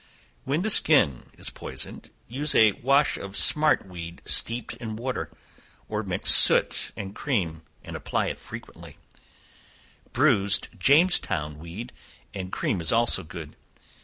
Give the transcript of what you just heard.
Where the skin is poisoned, use a wash of smartweed steeped in water, or mix soot and cream, and apply it frequently; bruised Jamestown weed and cream is also good.